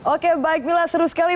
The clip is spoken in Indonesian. oke baik mila seru sekali